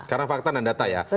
karena fakta dan data ya